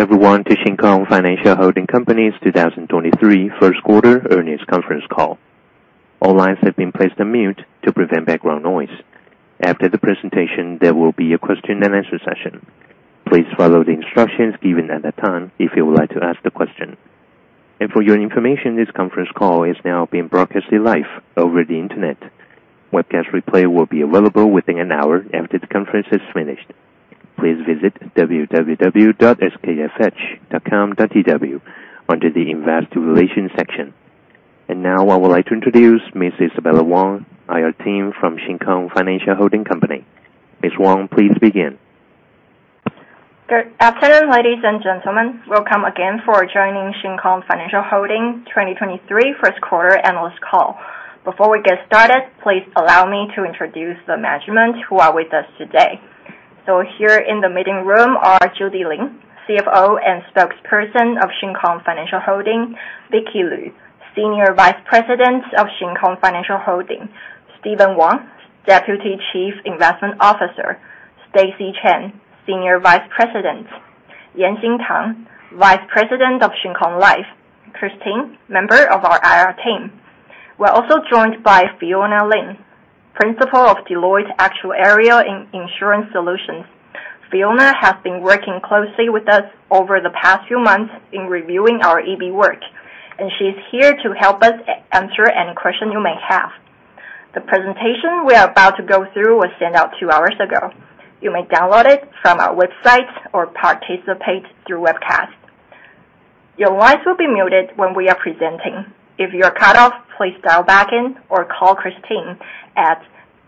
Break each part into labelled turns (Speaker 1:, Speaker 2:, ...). Speaker 1: Welcome everyone to Shin Kong Financial Holding Company's 2023 first quarter earnings conference call. All lines have been placed on mute to prevent background noise. After the presentation, there will be a question and answer session. Please follow the instructions given at that time if you would like to ask the question. For your information, this conference call is now being broadcasted live over the Internet. Webcast replay will be available within an hour after the conference is finished. Please visit www.skfh.com.tw under the Investor Relations section. Now I would like to introduce Ms. Isabella Wang, IR team from Shin Kong Financial Holding Company. Miss Wong, please begin.
Speaker 2: Good afternoon, ladies and gentlemen. Welcome again for joining Shin Kong Financial Holding 2023 first quarter analyst call. Before we get started, please allow me to introduce the management who are with us today. Here in the meeting room are Judi Ling, CFO and Spokesperson of Shin Kong Financial Holding, Vicky Lu, Senior Vice President of Shin Kong Financial Holding, Steven Wang, Deputy Chief Investment Officer, Stacy Chen, Senior Vice President, Yan-Ching Tang, Vice President of Shin Kong Life, Christine, member of our IR team. We're also joined by Fiona Lin, Principal of Deloitte Actuarial and Insurance Solutions. Fiona has been working closely with us over the past few months in reviewing our EB work, and she is here to help us answer any question you may have. The presentation we are about to go through was sent out two hours ago. You may download it from our website or participate through webcast. Your lines will be muted when we are presenting. If you are cut off, please dial back in or call Christine at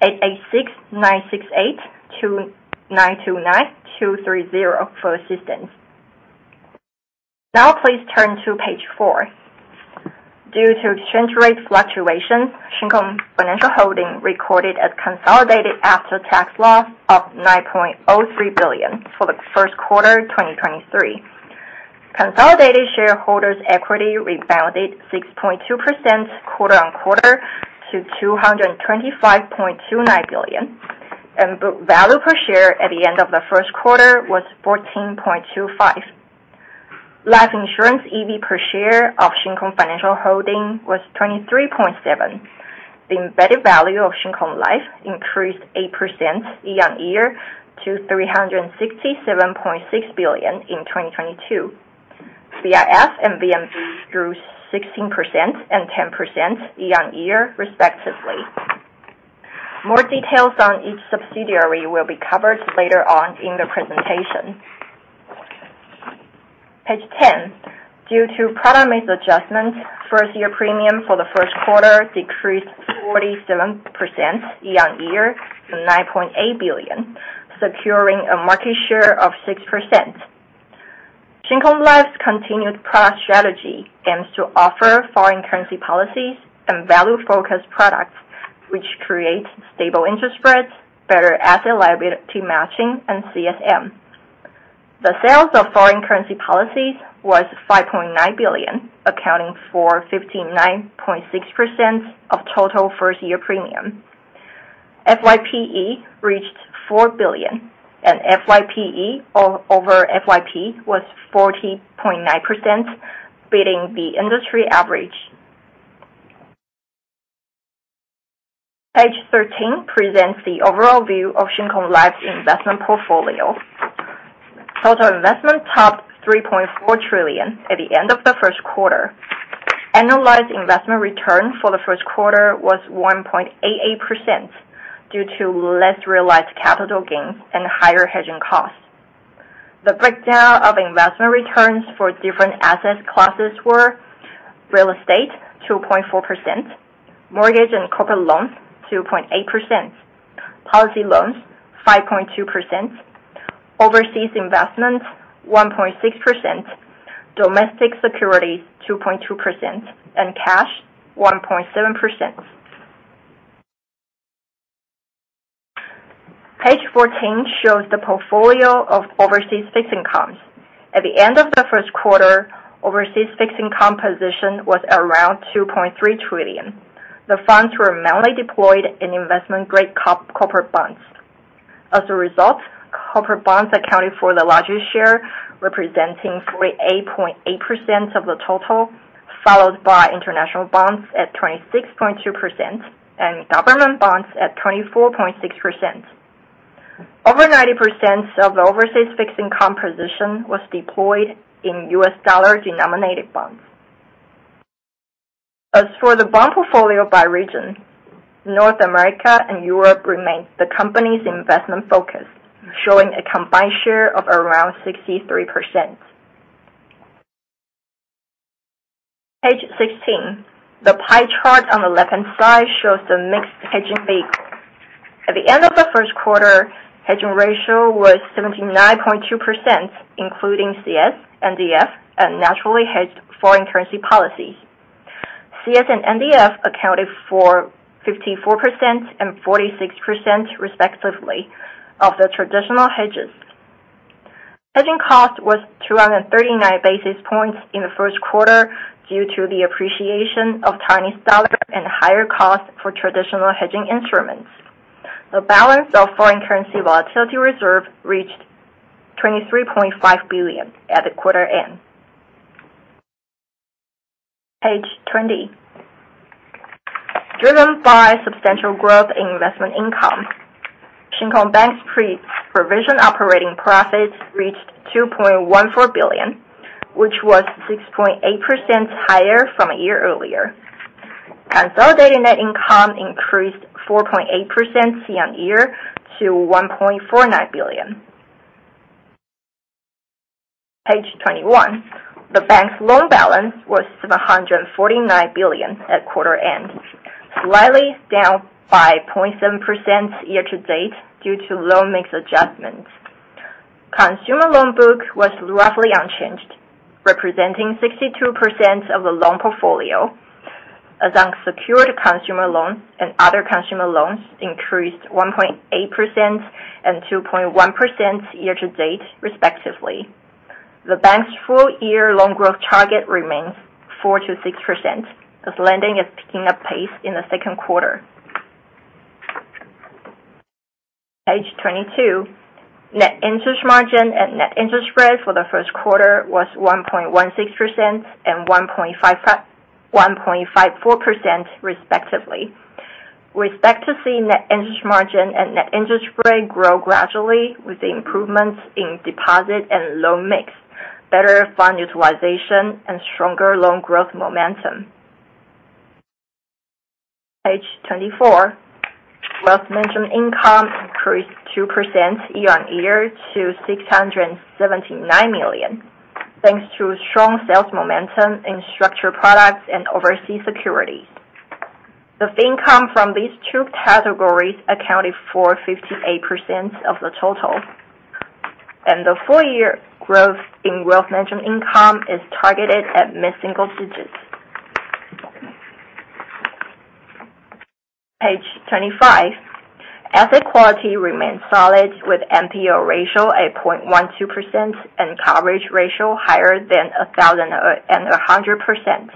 Speaker 2: 886-968-292-9230 for assistance. Please turn to Page 4. Due to exchange rate fluctuations, Shin Kong Financial Holding recorded a consolidated after-tax loss of 9.03 billion for the first quarter 2023. Consolidated shareholders equity rebounded 6.2% quarter-on-quarter to 225.29 billion, and the value per share at the end of the first quarter was 14.25. Life insurance EB per share of Shin Kong Financial Holding was 23.7. The embedded value of Shin Kong Life increased 8% year-on-year to 367.6 billion in 2022. CIF and VM grew 16% and 10% year-on-year, respectively. More details on each subsidiary will be covered later on in the presentation. Page 10. Due to product mix adjustment, first year premium for the first quarter decreased 47% year-on-year to 9.8 billion, securing a market share of 6%. Shin Kong Life's continued product strategy aims to offer foreign currency policies and value-focused products, which create stable interest spreads, better asset liability matching, and CSM. The sales of foreign currency policies was 5.9 billion, accounting for 59.6% of total first year premium. FYPE reached 4 billion, and FYPE over FYP was 40.9%, beating the industry average. Page 13 presents the overall view of Shin Kong Life's investment portfolio. Total investment topped 3.4 trillion at the end of the first quarter. Annualized investment return for the first quarter was 1.88% due to less realized capital gains and higher hedging costs. The breakdown of investment returns for different asset classes were real estate, 2.4%; mortgage and corporate loans, 2.8%; policy loans, 5.2%; overseas investments, 1.6%; domestic securities, 2.2%; and cash, 1.7%. Page 14 shows the portfolio of overseas fixed incomes. At the end of the first quarter, overseas fixed income position was around 2.3 trillion. The funds were mainly deployed in investment-grade corporate bonds. As a result, corporate bonds accounted for the largest share, representing 48.8% of the total, followed by international bonds at 26.2% and government bonds at 24.6%. Over 90% of the overseas fixed income position was deployed in US dollar-denominated bonds. As for the bond portfolio by region, North America and Europe remained the company's investment focus, showing a combined share of around 63%. Page 16. The pie chart on the left-hand side shows the mixed hedging vehicle. At the end of the first quarter, hedging ratio was 79.2%, including CS, NDF, and naturally hedged foreign currency policies. CS and NDF accounted for 54% and 46%, respectively, of the traditional hedges. Hedging cost was 239 basis points in the first quarter due to the appreciation of Chinese dollar and higher cost for traditional hedging instruments. The balance of foreign exchange fluctuation reserve reached 23.5 billion at the quarter end. Page 20. Driven by substantial growth in investment income, Shin Kong Bank's pre-provision operating profits reached 2.14 billion, which was 6.8% higher from a year-earlier. Consolidating net income increased 4.8% year-on-year to TWD 1.49 billion. Page 21. The bank's loan balance was 749 billion at quarter end, slightly down by 0.7% year-to-date due to loan mix adjustments. Consumer loan book was roughly unchanged, representing 62% of the loan portfolio. Among secured consumer loans and other consumer loans increased 1.8% and 2.1% year-to-date, respectively. The bank's full year loan growth target remains 4%-6%, as lending is picking up pace in the second quarter. Page 22. Net interest margin and net interest spread for the first quarter was 1.16% and 1.54% respectively. We expect to see net interest margin and net interest spread grow gradually with the improvements in deposit and loan mix, better fund utilization, and stronger loan growth momentum. Page 24. Wealth management income increased 2% year-on-year to 679 million, thanks to strong sales momentum in structured products and overseas securities. The fee income from these two categories accounted for 58% of the total, and the full year growth in wealth management income is targeted at mid-single digits. Page 25. Asset quality remains solid, with NPL ratio at 0.12% and coverage ratio higher than 1,100%.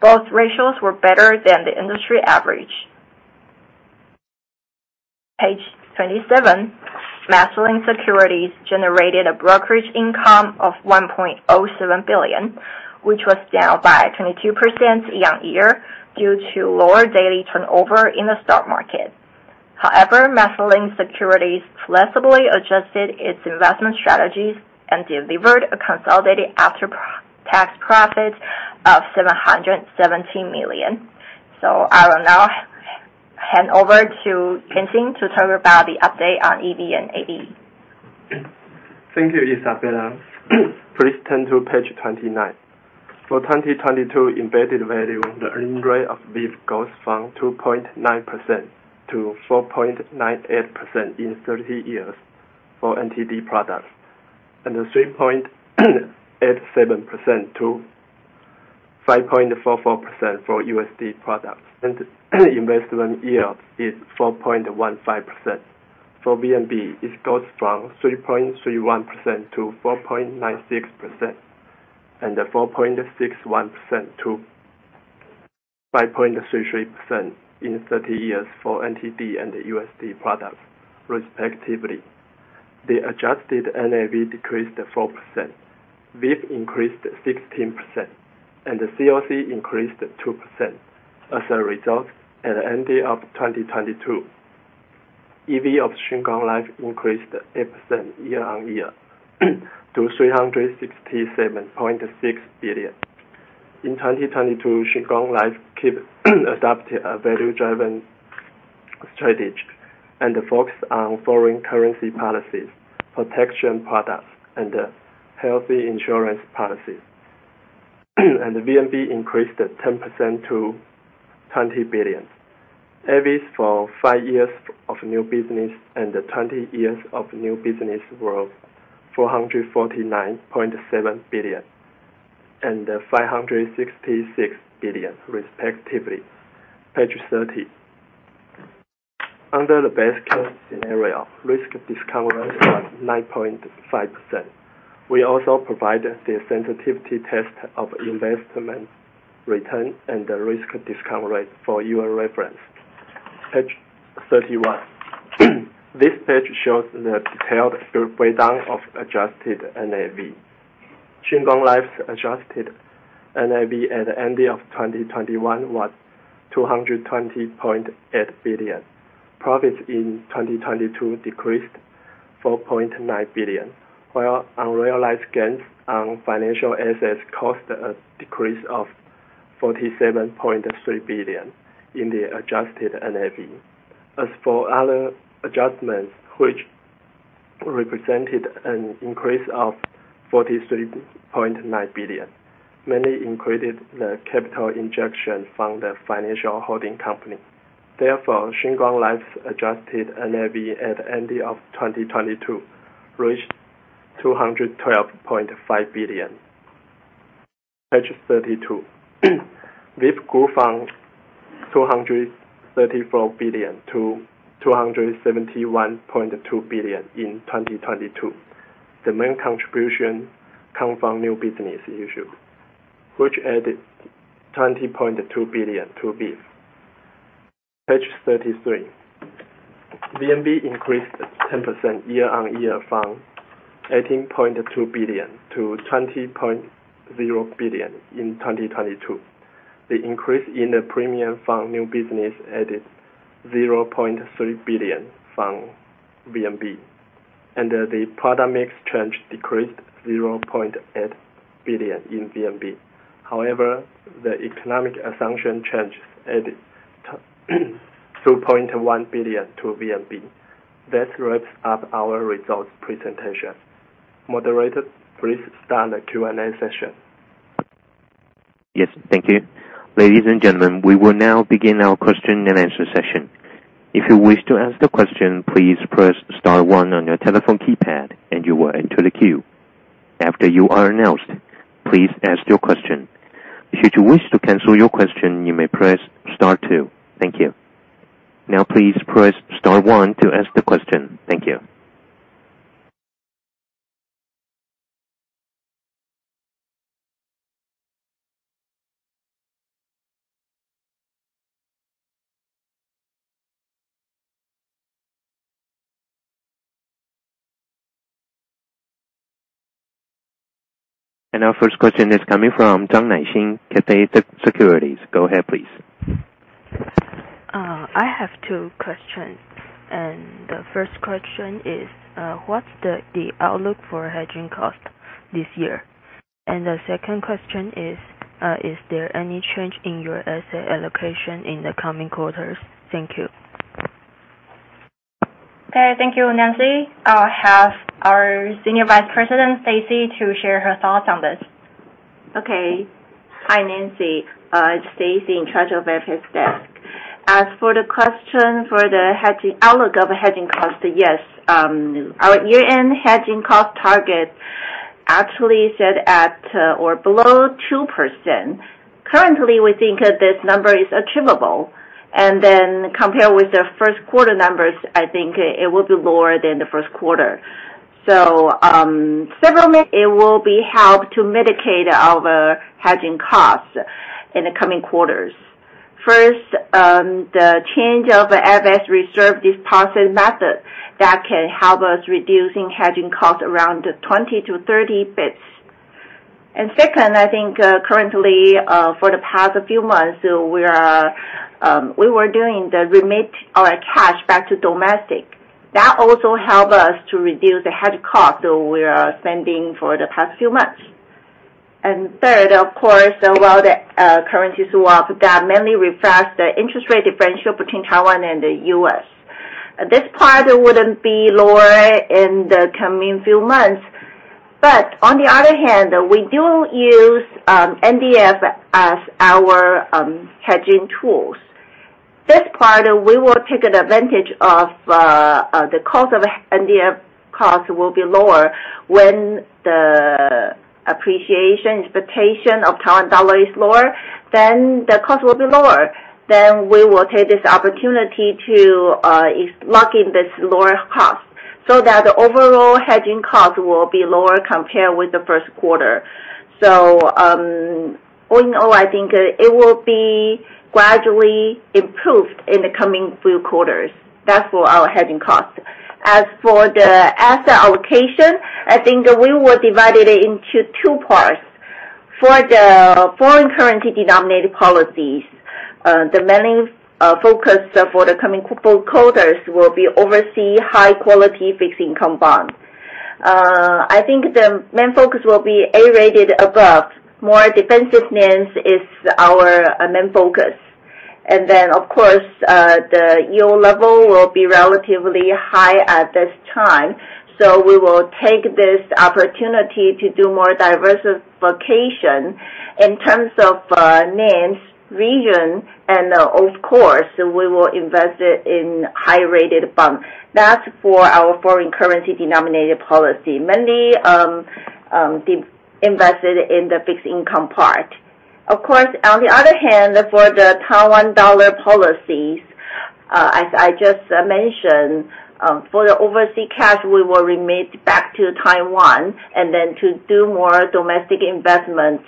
Speaker 2: Both ratios were better than the industry average. Page 27. MasterLink Securities generated a brokerage income of 1.07 billion, which was down by 22% year-over-year due to lower daily turnover in the stock market. However, MasterLink Securities flexibly adjusted its investment strategies and delivered a consolidated after pre-tax profit of 717 million. I will now hand over to Yan-Ching to talk about the update on EV and AE.
Speaker 3: Thank you, Isabella. Please turn to Page 29. For 2022 embedded value, the earning rate of VIF goes from 2.9% to 4.98% in 30 years for NTD products, and 3.87% to 5.44% for USD products. Investment yield is 4.15%. For VNB, it goes from 3.31% to 4.96%, and 4.61% to 5.33% in 30 years for NTD and USD products respectively. The adjusted NAV decreased 4%. VIF increased 16%, and the COC increased 2%. As a result, at the ending of 2022, EV of Shin Kong Life increased 8% year-on-year to 367.6 billion. In 2022, Shin Kong Life keep adopting a value-driven strategy and focus on foreign currency policies, protection products, and healthy insurance policies. The VNB increased 10% to 20 billion. EVs for five years of new business and 20 years of new business were 449.7 billion and 566 billion, respectively. Page 30. Under the base case scenario, risk discount rate was 9.5%. We also provided the sensitivity test of investment return and the risk discount rate for your reference. Page 31. This page shows the detailed breakdown of adjusted NAV. Shin Kong Life's adjusted NAV at the ending of 2021 was 220.8 billion. Profits in 2022 decreased 4.9 billion, while unrealized gains on financial assets caused a decrease of 47.3 billion in the adjusted NAV. As for other adjustments, which represented an increase of 43.9 billion, mainly included the capital injection from the financial holding company. Therefore, Shin Kong Life's adjusted NAV at ending of 2022 reached 212.5 billion. Page 32. VIF grew from 234 billion to 271.2 billion in 2022. The main contribution come from new business issue. which added 20.2 billion to be. Page 33. VNB increased 10% year-on-year from 18.2 billion to 20.0 billion in 2022. The increase in the premium from new business added 0.3 billion from VNB. The product mix change decreased 0.8 billion in VNB. However, the economic assumption change added 2.1 billion to VNB. That wraps up our results presentation. Moderator, please start the Q&A session.
Speaker 1: Yes, thank you. Ladies and gentlemen, we will now begin our question and answer session. If you wish to ask the question, please press star one on your telephone keypad and you will enter the queue. After you are announced, please ask your question. Should you wish to cancel your question, you may press star two. Thank you. Now, please press star one to ask the question. Thank you. Our first question is coming from Zhang Naixin, Cathay Securities. Go ahead, please.
Speaker 4: I have two questions, and the first question is, what's the outlook for hedging cost this year? The second question is there any change in your asset allocation in the coming quarters? Thank you.
Speaker 2: Okay, thank you, Nancy. I'll have our Senior Vice President, Stacy, to share her thoughts on this.
Speaker 5: Okay. Hi, Nancy, it's Stacy, in charge of FX desk. As for the question for the hedging, outlook of hedging cost, yes, our year-end hedging cost target actually set at or below 2%. Currently, we think this number is achievable, and then compared with the first quarter numbers, I think it will be lower than the first quarter. It will be helped to mitigate our hedging costs in the coming quarters. First, the change of the FS reserve deposit method, that can help us reducing hedging costs around 20-30 bits. Second, I think, currently, for the past few months, we are, we were doing the remit our cash back to domestic. That also help us to reduce the hedge cost, so we are spending for the past few months. Third, of course, well, the currency swap, that mainly reflects the interest rate differential between Taiwan and the US. This part wouldn't be lower in the coming few months. On the other hand, we do use NDF as our hedging tools. This part, we will take advantage of the cost of NDF will be lower when the appreciation expectation of Taiwan dollar is lower, the cost will be lower. We will take this opportunity to if lock in this lower cost, so that the overall hedging cost will be lower compared with the first quarter. All in all, I think it will be gradually improved in the coming few quarters. That's for our hedging cost. As for the asset allocation, I think we will divide it into two parts. For the foreign currency denominated policies, the main focus for the coming quarters will be oversee high quality fixed income bonds. I think the main focus will be A-rated above. More defensiveness is our main focus. Of course, the yield level will be relatively high at this time, so we will take this opportunity to do more diversification in terms of names, region, and we will invest it in high-rated bonds. That's for our foreign currency denominated policy, mainly invested in the fixed income part. Of course, on the other hand, for the Taiwan dollar policies, as I just mentioned, for the overseas cash, we will remit back to Taiwan and then to do more domestic investments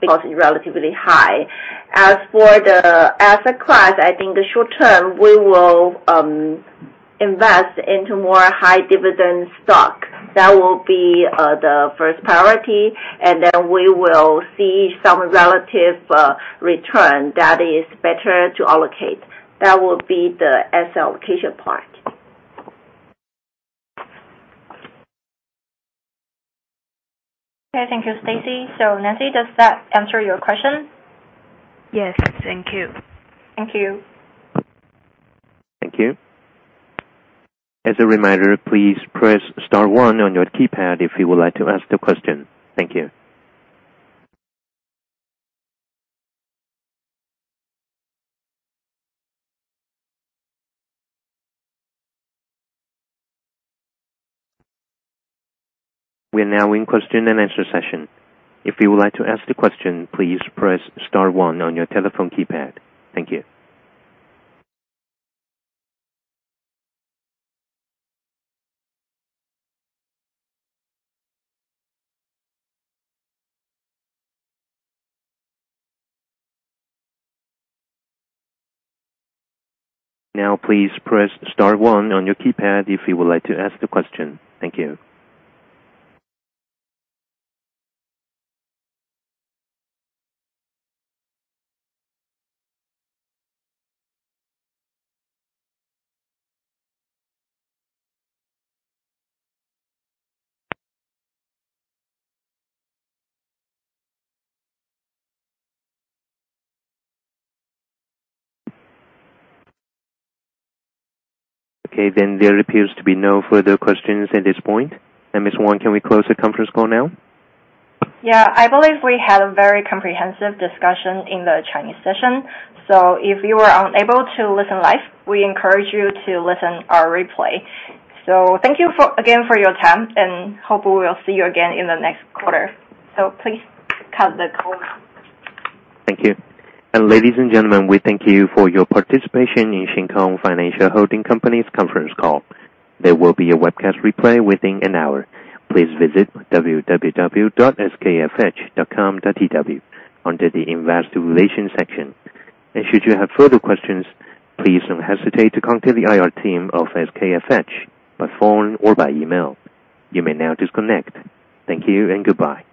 Speaker 5: because it's relatively high. As for the asset class, I think the short term, we will invest into more high dividend stock. That will be the first priority, and then we will see some relative return that is better to allocate. That will be the asset allocation part.
Speaker 2: Okay, thank you, Stacy. Nancy, does that answer your question?
Speaker 4: Yes. Thank you.
Speaker 2: Thank you.
Speaker 1: Thank you. As a reminder, please press star one on your keypad if you would like to ask the question. Thank you. We are now in question and answer session. If you would like to ask the question, please press star one on your telephone keypad. Thank you. Please press star one on your keypad if you would like to ask the question. Thank you. There appears to be no further questions at this point. Ms. Wang, can we close the conference call now?
Speaker 2: I believe we had a very comprehensive discussion in the Chinese session. If you were unable to listen live, we encourage you to listen our replay. Thank you for again, for your time, and hope we will see you again in the next quarter. Please cut the call now.
Speaker 1: Thank you. Ladies and gentlemen, we thank you for your participation in Shin Kong Financial Holding Company's conference call. There will be a webcast replay within an hour. Please visit www.skfh.com.tw under the Investor Relations section. Should you have further questions, please don't hesitate to contact the IR team of SKFH by phone or by email. You may now disconnect. Thank you and goodbye.